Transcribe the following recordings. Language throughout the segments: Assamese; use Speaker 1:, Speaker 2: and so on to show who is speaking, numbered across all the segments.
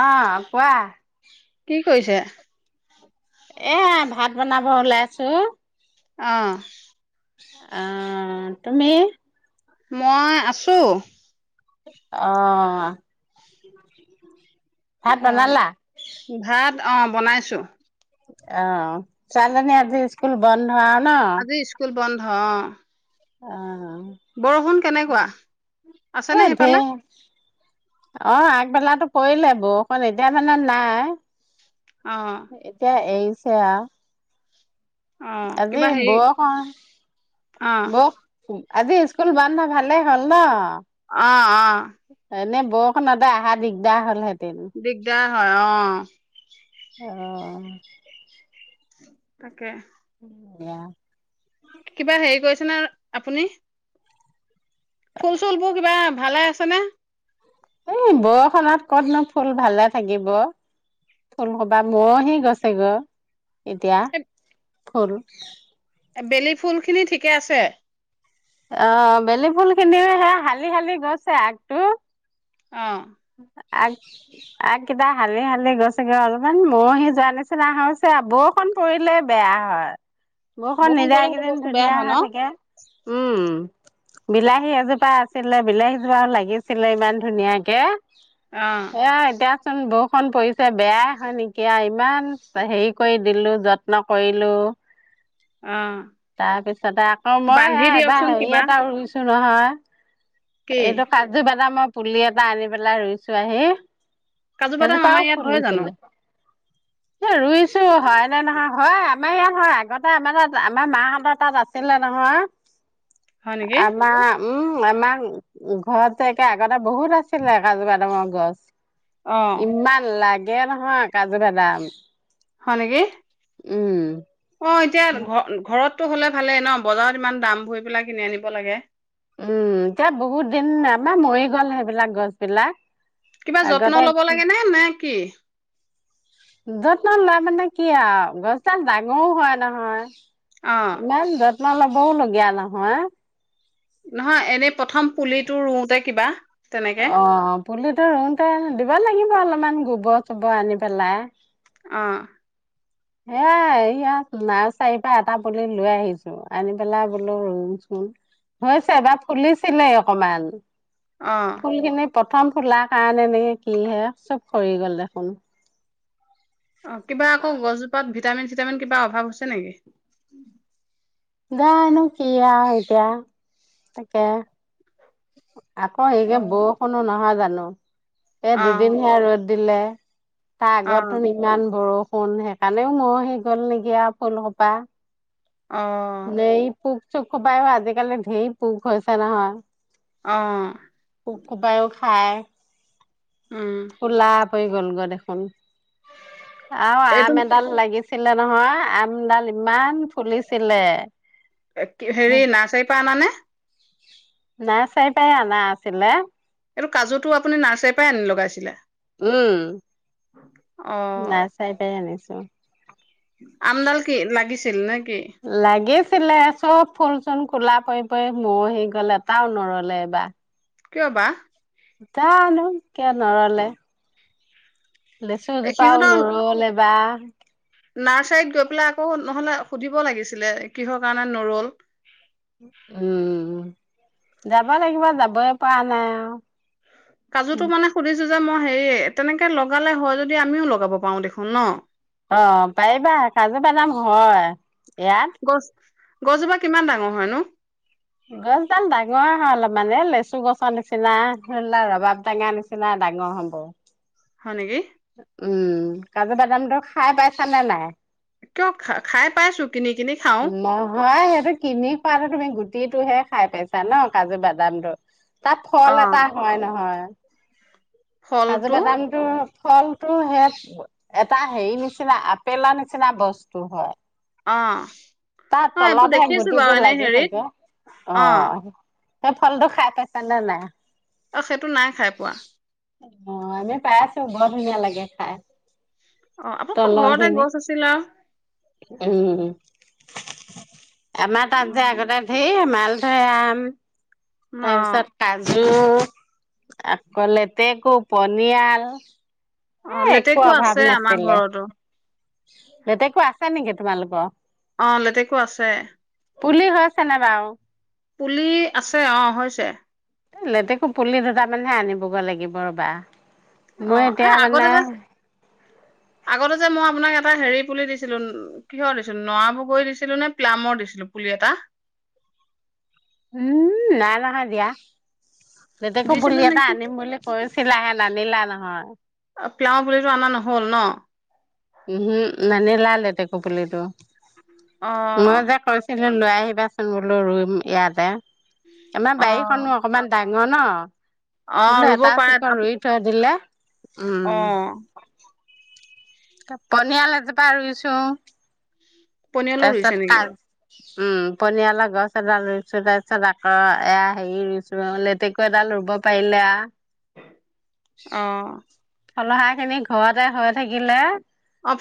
Speaker 1: আহ, কোৱা।
Speaker 2: কি? কৈছে?
Speaker 1: এ, ভাত বনাব ওলাইছোঁ।
Speaker 2: আহ।
Speaker 1: অ', তুমি
Speaker 2: মই, আছো।
Speaker 1: অ', ভাত
Speaker 2: আহ,
Speaker 1: বনালা?
Speaker 2: ভাত অ বনাইছোঁ।
Speaker 1: অ', ছোৱালীজনী আজি স্কুল বন। ন-ন
Speaker 2: আজি স্কুল বন্ধ অ',
Speaker 1: অ',
Speaker 2: বৰষুণ কেনেকুৱা, ‌
Speaker 1: এই
Speaker 2: আছেনে
Speaker 1: ধেৰ
Speaker 2: সেইফালে?
Speaker 1: অ', আগবেলাটো পৰিলে বৰষুণ, এতিয়া মানে নাই।
Speaker 2: অ'
Speaker 1: এতিয়া এৰি সেয়া,
Speaker 2: অ'
Speaker 1: আজি
Speaker 2: কিবা হেৰি
Speaker 1: বৰষুণ
Speaker 2: অ'
Speaker 1: বৰ আজি স্কুল বন্ধ, ভালে হ'ল ন?
Speaker 2: অ', অ',
Speaker 1: এনে বৰষুণতে অহা দিগদাৰ হ'ল সেই
Speaker 2: দিগদাৰ হয় অ
Speaker 1: অ অ
Speaker 2: তাকে।
Speaker 1: য়া
Speaker 2: কিবা হেৰি কৰিছেনে, আপুনি ফুল চুলবোৰ কিবা, ভালে আছেনে?
Speaker 1: এই, বৰষুণত কতনো ফুল ভালে থাকিব ফুল সোপা মৰহি গছে গৈ অ এতিয়া ফুল
Speaker 2: বেলি ফুল খিনি ঠিকে আছে।
Speaker 1: অ বেলি ফুল খিনিও সে শালি-শালি গৈছে আগটো।
Speaker 2: অ
Speaker 1: আগ আগকেইটা হালি হালি গৈছে গৈ, অলপমান মৰহি যোৱা নিচিনা আহ হৈছে, বৰষুণ পৰিলেই বেয়া হয় বৰষুণ নিদিয়া
Speaker 2: পৰিলে সেইটো
Speaker 1: কেইদিন
Speaker 2: বস্তু বেয়া
Speaker 1: ধুনীয়া
Speaker 2: হয় ন?
Speaker 1: হৈ থাকে উম বিলাহী এজোপা আছিলে বিলাহী জোপা লাগিছিলে ইমান ধুনীয়াকে
Speaker 2: অ'
Speaker 1: এয়া, এতিয়াচোন বৌ', বৰষুণ পৰিছে বেয়াই হয়, নেকি ইমান হেৰি কৰি দিলো, যত্ন কৰিলো,
Speaker 2: অ'
Speaker 1: তাৰপিছতে আকৌ মই',
Speaker 2: বান্ধি
Speaker 1: সেয়া, এবাৰ
Speaker 2: দিয়কচোন
Speaker 1: হেৰি
Speaker 2: কিবা।
Speaker 1: এটা ৰুইছো। [unintelligible]
Speaker 2: কি?
Speaker 1: এইটো কাজু -বাদামৰ, পুলি এটা আনি পেলাই ৰুইছো আহি
Speaker 2: কাজু বাদাম
Speaker 1: সেইজোপাও
Speaker 2: আমাৰ ইয়াত হয় জানো
Speaker 1: ফুলিছিলে এ ৰুইছো হয় নে নহয় হয় আমাৰ ইয়াত হয় আগতে আমাৰ তাত আমাৰ মাহঁতৰ তাত আছিলে নহয়
Speaker 2: হয় নেকি?
Speaker 1: আমাৰ, উম মা মাং ঘৰতে একে আগতে বহুত আছিলে কাজু-বাদামৰ গছ।
Speaker 2: অ'
Speaker 1: ইমান লাগ নহয় কাজু বাদাম
Speaker 2: হয় নেকি?
Speaker 1: উম্।
Speaker 2: অ এতিয়া ঘ ঘৰত- টো হ'লে ভালেই ন? বজাৰত ইমান দাম ভৰি পেলাই কিনি আনিব লাগে।
Speaker 1: উম্, এতিয়া বহুত দিন আমাৰ মৰি গ'ল সেইবিলাক গছ বিলাক।
Speaker 2: কিবা যত্ন ল'ব
Speaker 1: আগতে
Speaker 2: লাগে নে নে কি? [inaudible]
Speaker 1: যত্ন লয় মানে কি আৰু গছডাল ডাঙৰো হয় নহয়।
Speaker 2: অ
Speaker 1: ইমান যত- যত্ন ল'বও লগীয়া নহয়।
Speaker 2: নহয় এনেই প্ৰথম পুলিটো ৰোওঁতে কিবা? তেনেকে
Speaker 1: অ পুলিতো ৰোওঁতে- দিব লাগিব অলপমান গোবৰ-চোবৰ আনি পেলাই।
Speaker 2: অ'।
Speaker 1: হেয়াই এইয়াত নাৰ্চাৰীৰ পৰা এটা পুলি লৈ আহিছো, আনি পেলাই বোলো ৰোঁও চু্ন হৈছে এবাৰ ফুলিছিলেই অকমাণ।
Speaker 2: অ'।
Speaker 1: প্ৰথম ফুলাৰ কাৰণে নে কি হে চব খৰি গ'ল দেখোন?
Speaker 2: অ কিবা আকৌ গছজোপাত ভিটামিন চিটামিন কিবা অভাৱ হৈছে নেকি?
Speaker 1: জানো কি আওঁ এতিয়া তাকে- [inaudible]
Speaker 2: অ
Speaker 1: আকৌ বৰষুণো নহয় জানো? ন? এ
Speaker 2: অ
Speaker 1: দুদিনহে ৰ'দ - দিলে। তাৰ
Speaker 2: অ
Speaker 1: আগতো ইমান বৰষুণ - ষফুল সেইকাৰণেও মৰহি গ'ল নেকি আৰু ফুলসোপা।
Speaker 2: অ'-
Speaker 1: এই পোক সোপায়ো আজিকালি ঢেৰ পোক হৈছে নহয়।
Speaker 2: অ
Speaker 1: পোক সোপায়ো- খাওঁ।
Speaker 2: উম
Speaker 1: ক'লা পৰি গ'ল গৈ দেখোন। [inaudible] আৰু
Speaker 2: এইটো
Speaker 1: আম এডাল লাগি- ছিলে নহয় আমডাল ইম-
Speaker 2: কি হেৰি নাৰ্চাৰীৰ পৰা আনা নে?
Speaker 1: নাৰ্চাৰীৰ পৰাই অনা আছিলে।
Speaker 2: এইটো কাজু টো আপুনি নাৰ্চাৰীৰ পৰাই আনি লগাইছিলে?
Speaker 1: উম
Speaker 2: অ
Speaker 1: নাই চাই পাই আনিছে। [unintelligible]
Speaker 2: আমডাল কি লাগিছি ছিল নেকি?
Speaker 1: লাগেচ ছিলে সব ফুল-চুল কলা পৰি পৰি মৰহি গ'ল এটাও নৰলে এইবাৰ
Speaker 2: কিয় বা?
Speaker 1: জানো কিয় নৰলে? লিচুজোপাও
Speaker 2: সিহঁতৰ
Speaker 1: নৰলে যাও হম।
Speaker 2: নাৰ্চাৰীত গৈ পেলাই আকৌ নহ'লে সুধিব লাগিছিলে কিহৰ কাৰণে নৰল?
Speaker 1: উম, যাবা লাগিব যাবই পৰা নাই আৰু
Speaker 2: কাজুতো মানে সুধিছিল যে মই হেৰি তেনেকৈ লগালে হয় যদি আমিও লগাব পাৰোঁ দেখোন ন?
Speaker 1: অ, পাৰিবা কাজু বাদাম হয় ইয়াত
Speaker 2: গছ গছজোপা কিমান ডাঙৰ হয় নো?
Speaker 1: গছডাল ডাঙৰ হয় অলপ মানে লিচু গছৰ নিচিনা ধৰিলোৱা ৰবাবটেঙা নিচিনা ডাঙৰ হ'ব।
Speaker 2: হয় নেকি?
Speaker 1: উম, কাজু বাদামটো খাই পাইছা নে নাই?
Speaker 2: কিয় খা খাই পাইছো কিনি কিনি খাও
Speaker 1: নহয় সেইটো কিনি খোৱাটো তুমি গু হেইটোহে খাই পাইছা ন কাজু বাদামটো। তাত
Speaker 2: অ
Speaker 1: ফল এটা হয় নহয়। [inaudible] কাজু
Speaker 2: ফলটো
Speaker 1: বাদামটো ফলটো সেই এটা হেৰি নিচিনা আপেলৰ নিচিনা বস্তু হয়।
Speaker 2: অ
Speaker 1: তাৰ
Speaker 2: অ এইবোৰ
Speaker 1: তলতহে
Speaker 2: দেখিছো বাৰু
Speaker 1: গুটিটো
Speaker 2: এনে
Speaker 1: লাগি
Speaker 2: হেৰিত
Speaker 1: থাকে। অ সেই ফলটো খাই পাইছা নে নাই?
Speaker 2: অ সেইটো নাই খাই পোৱা।
Speaker 1: অ, আমি পাইছোঁ বৰ ধুনীয়া লাগে খাই।
Speaker 2: অ, আপোনালোকৰ
Speaker 1: তলৰ
Speaker 2: ঘৰতে
Speaker 1: খিনি।
Speaker 2: গছ আছিলে আৰু।
Speaker 1: [inaudible] আমাৰ তাত যে আগতে ধেৰমাল ধেৰ আম
Speaker 2: অ
Speaker 1: তাৰপিছত কাজু উম আকৌ লেতেকু পনিয়াল
Speaker 2: অ
Speaker 1: এ একো
Speaker 2: লেটেকু আছে
Speaker 1: অভাৱ
Speaker 2: আমাৰ
Speaker 1: নাছিলে,
Speaker 2: ঘৰতো
Speaker 1: লেটেকু আছে নেকি তোমালোকৰ
Speaker 2: অ লেতেকু আছে
Speaker 1: পুলি হৈছে নে বাৰু
Speaker 2: পুলি আছে অ হৈছে
Speaker 1: লেতেকো পুলি দুটা মানহে আনিবগৈ লাগিব ৰ'বা
Speaker 2: অ
Speaker 1: মই
Speaker 2: এ
Speaker 1: এতিয়া
Speaker 2: আগতে
Speaker 1: মানে
Speaker 2: যে আগতে যে মই আপোনাক এটা হেৰিত পুলি দিছিলো কিহৰ দিছিলো নৰা বগৰী দিছিলো নে প্লামৰ দিছিলো পুলি এটা
Speaker 1: উম নাই নহয় দিয়া লেতেকু পুলি
Speaker 2: দিছিলো
Speaker 1: এটা
Speaker 2: নেকি
Speaker 1: আনিম বুলি কৈছো [unintelligible] এ নানিলা নহয়
Speaker 2: প্লামৰ পুলিটো আনা নহ'ল ন
Speaker 1: উমহো নানিলা লেতেকু পুলিটো মই
Speaker 2: অহ
Speaker 1: যে কৈছিলো লৈ আহিবাচোন মোলৈ ৰুম ইয়াতে আমাৰ
Speaker 2: অ
Speaker 1: বাৰীখনো অকমান ডাঙ ন
Speaker 2: অ
Speaker 1: ন বোলে
Speaker 2: ৰুব
Speaker 1: এটা
Speaker 2: পাৰে
Speaker 1: শিপা ৰুই থৈ দিলে
Speaker 2: অ
Speaker 1: উম পনিয়াল এজোপা ৰুইছো
Speaker 2: পনিয়লো
Speaker 1: তাৰপিছত
Speaker 2: ৰুইছে নেকি
Speaker 1: কাজ উম পনিয়ালৰ গছ এডাল ৰুইছো তাৰপিছত আকৌ এয়া হেৰি ৰুইছো লেতেকু এডাল ৰুব পাৰিলে
Speaker 2: অহ
Speaker 1: সলহাই খিনি ঘৰতে হৈ থাকিলে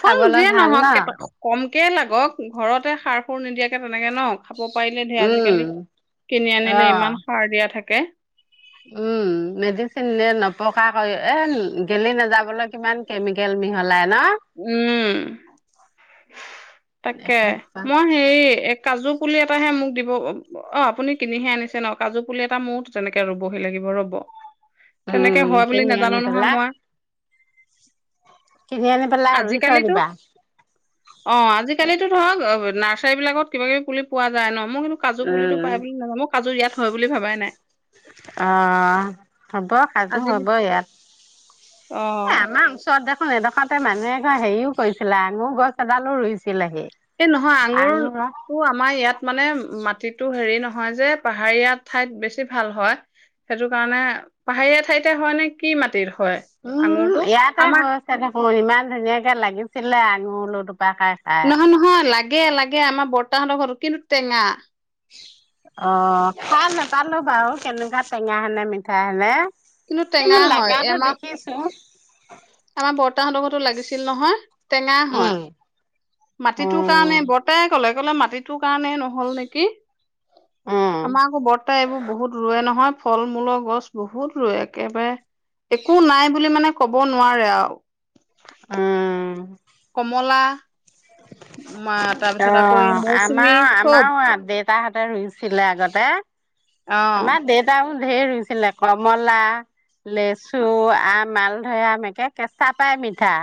Speaker 2: ফল
Speaker 1: খাবলৈ
Speaker 2: যিয়ে
Speaker 1: ভাল ন?
Speaker 2: নহওক কম কেলে গক ঘৰতে সাৰ সুৰ নিদিয়াকৈ তেনেক ন খাব পাৰিলে ধেৰ
Speaker 1: উম,
Speaker 2: আজিকালি কিনি আনিলে
Speaker 1: অ',
Speaker 2: ইমান সাৰ দিয়া থাকে কে
Speaker 1: উম মেডিচিন নে নপকাকৈ এ গেলি নাযাবলৈ কিমান কেমিকেল মিহলাই ন?
Speaker 2: উম তাকে মই হেৰি এ কাজু পুলি এটাহে মোক দিব অ আপুনি কিনিহে আনিছে ন কাজু পুলি এটা মোৰ তেনেকে ৰুবহি লাগিব ৰ'ব
Speaker 1: উম,
Speaker 2: তেনেকে হয় বুলি
Speaker 1: কিনি
Speaker 2: নাজানো
Speaker 1: আনি
Speaker 2: নহয়
Speaker 1: পেলাই
Speaker 2: মই
Speaker 1: কিনি আনি পেলাই ৰুই থৈ
Speaker 2: আজিকালিতো
Speaker 1: দিবা
Speaker 2: অ', আজিকালিতো ধৰক অৱ নাৰ্চাৰী বিলাকত কিবা কিবি পুলি পোৱা যায় ন? মই কিন্তু কাজু
Speaker 1: উম,
Speaker 2: পুলিতটো পাই বুলি নাাজানো, মোৰ কাজু ইয়াত হয় বুলি ভাবাই নাই।
Speaker 1: সাজু
Speaker 2: আজি
Speaker 1: হ'ব ইয়াত।
Speaker 2: অ
Speaker 1: এ আমাৰ ওচৰত দে অ এইডোখৰতে মানুহ এঘৰে হেৰিও কৰিছিলে, আঙুৰ গছ এডালো ৰুইছিল।
Speaker 2: এই নহয়, আঙুৰটো আমাৰ ইয়াত মানে মাটিতো হেৰি নহয় নহয় যে পাহাৰীয়া ঠাইত বেছি ভাল হয়। সেইটো কাৰণে পাহাৰীয়া ঠাইতে হয় নে কি মাটিত হয়?
Speaker 1: উম,
Speaker 2: আঙুৰটো
Speaker 1: ইয়াতে
Speaker 2: আমাৰ
Speaker 1: হৈছে দেখোন ইমান ধুনীয়াকে লাগিছিলে। অ ল ও টোক
Speaker 2: নহয় নহয় লাগে লাগে, আমাৰ বটা বটাহতৰ ঘৰটো, কিন্তু টেঙা।
Speaker 1: অ খাই নেপালো বাৰু কেনেকুৱা টেঙাহ নে মিঠা নে
Speaker 2: কিন্তু টেঙা হয়। এমাহ আমাৰ বটাহতৰ ঘৰতো লাগিছিল নহয়। টেঙা হয়।
Speaker 1: উম
Speaker 2: মাটিটোৰ কাৰণে।
Speaker 1: উম
Speaker 2: বৰ্তাই আকৌ ক'লে ক'লে মাটিটোৰ কাৰণে নহ'ল নেকি।
Speaker 1: উম
Speaker 2: আমাৰ আকৌ বৰ্তাই এইবোৰ বহুত ৰুয়ে নহয়। ফল-মূলৰ গছ বহুত ৰোৱে, একেবাৰে একো নাই বুলি মানে ক'ব নোৱাৰে আৰু।
Speaker 1: উম।
Speaker 2: কমলা। মা
Speaker 1: অ
Speaker 2: তাৰপিছত আকৌ এই মৌচুমী
Speaker 1: আমাৰ
Speaker 2: চব
Speaker 1: আমাৰো দেউতাহ ৰুইছিলে আগতে।
Speaker 2: অ
Speaker 1: আমাৰ দেউতাও ধেই ৰুইছিলে। কমলা, লেচু, আম, মালধৰে আম একে কেঁচা পাই মিঠা।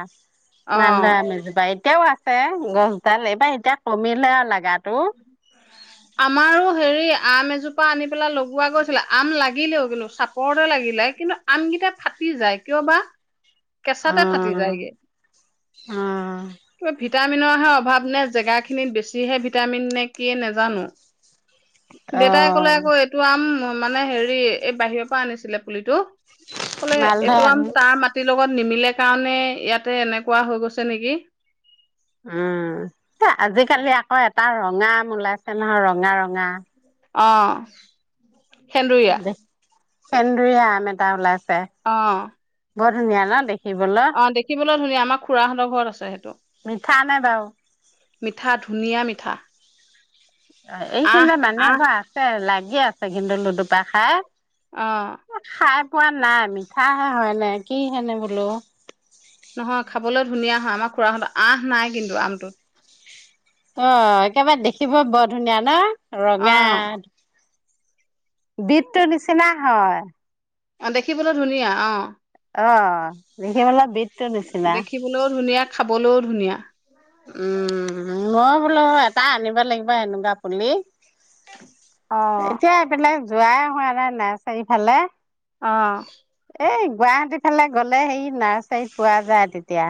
Speaker 2: অ
Speaker 1: মালধৰা আম এজোপা বাৰীত এতিয়াও আছে গছডাল। এইবাৰ এতিয়া কমিলে আৰু লাগাটো।
Speaker 2: আমাৰো হেৰি আম এজোপা আনি পেলাই লগোৱা গৈছিলে, আম লাগিলেও কিন্তু চাপৰতে লাগিলে, কিন্তু আমকেইটা ফাটি যায় কিয় বা? কেঁচাতে ফাটি
Speaker 1: উম
Speaker 2: যায়গে।
Speaker 1: উম
Speaker 2: কিবা ভিটামিনৰহে অভাৱ নে জেগাখিনিত বেছিহে ভিটামিন নে কি নেজানো। [inaudible] দেউতাই ক'লে
Speaker 1: অহ
Speaker 2: আকৌ এইটো আম। মানে হেৰি এই বাহিৰৰ পৰা আনিছিলে পুলিটো। ক'লে
Speaker 1: মালধৰা
Speaker 2: এইটো আম তাৰ মাটিৰ লগত নিমিলে কাৰণে, ইয়াতে এনেকুৱা হৈ গৈছে নেকি?
Speaker 1: উম, এ আজিকালি আকৌ এটা। তাৰ ৰঙা আম ওলাইছে নহয়, ৰঙা-ৰঙা
Speaker 2: অ' সেন্দুৰীয়া
Speaker 1: সেন্দুুৰীয়া আম এটা ওলাইছ
Speaker 2: অহ
Speaker 1: বৰ ধুনীয়া ন দেখ
Speaker 2: অ', দেখিবলৈ ধুনীয়া, আমাৰ খুৰাহঁতৰ ঘৰত আছ
Speaker 1: মিঠা নে বাৰু
Speaker 2: মিঠা ধুনীয়া মিঠা
Speaker 1: অ,
Speaker 2: আহ
Speaker 1: এইখিনিতে মানুহ এঘৰ আছে, লাগ [unintelligible] আছে কিন্তু লুডুপা খাই
Speaker 2: অহ
Speaker 1: খোৱা নাই, মিঠাহে হয় নে, কি হেনে বোলো
Speaker 2: আঁহ নাই কিন্তু আমটোত
Speaker 1: অ', একেবাই দেখিব বৰ ধুনীয়া ন?
Speaker 2: অ
Speaker 1: ৰঙা বিটটো নিচিনা হয়
Speaker 2: অ দেখিবলৈ ধুনীয়া, অ'
Speaker 1: অ', দেখিবলৈ বিত
Speaker 2: দেখিবলৈও ধুনীয়া, খাবলৈও ধুনীয়া।
Speaker 1: উম, মই বোলো এটা আনিব লাগিব এনেকুৱা পুলি
Speaker 2: [inaudible]
Speaker 1: এতিয়া এবিলাক যোৱাই হোৱা নাই নাৰ্চাৰি ফালে
Speaker 2: অ'
Speaker 1: এই গুৱাহাটী ফালে গ'লে সেই নাৰ্চাৰীত পোৱা যায় তেতিয়া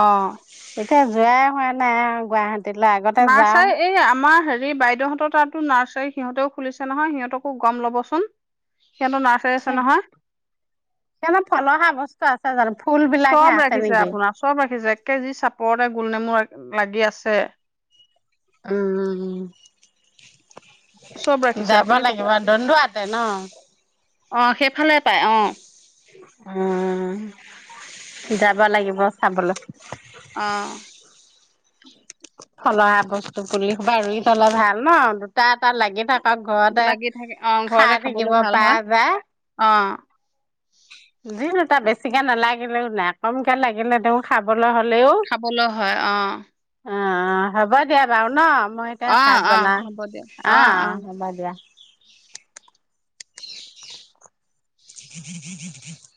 Speaker 2: অহ।
Speaker 1: এতিয়া যোৱাই হোৱা নাই আৰু গুৱাহাটীত।
Speaker 2: নাৰ্চাৰী, এই আমাৰ হেৰি, বাইদেউহঁতৰ তাত তো নাৰ্চাৰী সিহঁতেও খুলিছে নহয়, সিহঁতকো গম ল'ব চোন।
Speaker 1: [unintelligible] সিহঁতৰ ফলহা বস্তু আছ
Speaker 2: চব ৰাখিছে আপোনাৰ, চব ৰাখিছে একে যি চাপৰতে গুলনেমু লাগি আছে।
Speaker 1: উম
Speaker 2: চব ৰাখিছে
Speaker 1: যাব
Speaker 2: আপুনি তাতে
Speaker 1: লাগিব, দন্দুৱাতে ন?
Speaker 2: অ সেইফালে পায় অ
Speaker 1: উম যাব লাগিব চাবলৈ
Speaker 2: অ
Speaker 1: ফলহা বস্তু পুলি সোবা ৰুই থলে ভাল ন দুটা এটা লাগে থাক
Speaker 2: লাগি থাকে অ ঘৰতে খাবলৈ ভাল
Speaker 1: পৰা
Speaker 2: হয়
Speaker 1: যায়
Speaker 2: অ
Speaker 1: যি দুটা বেছিকে নালাগে নে নাই কমকে লাগিলে তেওঁ খাব
Speaker 2: খাবলৈ হয় অ
Speaker 1: অ অ হ'ব দিয়া বাও ন মই এতিয়া ভাত
Speaker 2: অ', অ',
Speaker 1: বনাও
Speaker 2: হ'ব দিয়ক
Speaker 1: অ অ হ'ব দিয়া ছি ছি [inaudible]